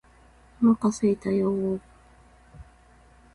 お腹すいたよーー